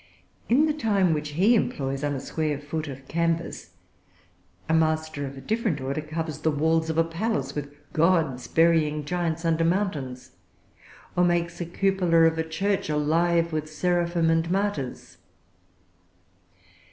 In the time which he employs on a square foot of canvas, a master of a different order covers the walls of a palace with gods burying giants under mountains, or makes the cupola of a church alive with seraphim and martyrs.